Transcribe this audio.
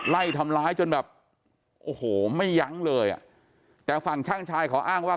ไล่ทำร้ายจนแบบโอ้โหไม่ยั้งเลยอ่ะแต่ฝั่งช่างชายเขาอ้างว่า